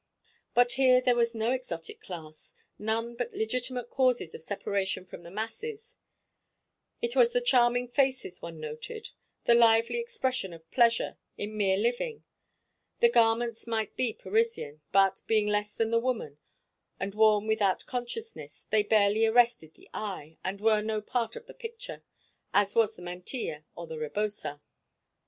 But here there was no exotic class, none but legitimate causes of separation from the masses; it was the charming faces one noted, the lively expression of pleasure in mere living; the garments might be Parisian, but, being less than the woman, and worn without consciousness, they barely arrested the eye, and were no part of the picture, as was the mantilla or the rebosa.